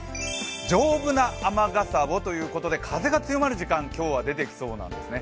丈夫な雨傘をということで、風が強まる時間、今日は出てきそうなんですね。